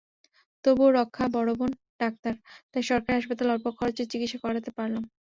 তবুও রক্ষা বড়বোন ডাক্তার, তাই সরকারি হাসপাতালে অল্প খরচে চিকিৎসা করতে পারলাম।